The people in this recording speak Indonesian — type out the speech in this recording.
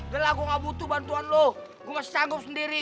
gela gue gak butuh bantuan lo gue gak sanggup sendiri